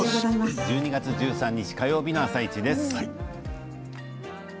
１２月１３日火曜日の「あさイチ」です。。